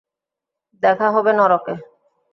দেখা হবে নরকে।